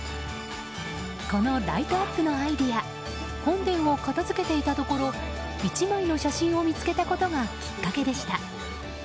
このライトアップのアイデア本殿を片付けていたところ１枚の写真を見つけたことがきっかけでした。